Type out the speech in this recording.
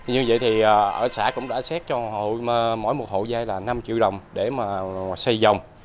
như vậy thì ở xã cũng đã xét cho mỗi một hộ dây là năm triệu đồng để mà xây dòng